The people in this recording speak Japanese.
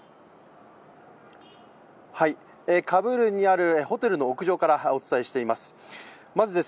カブールにあるホテルの屋上からお伝えしています。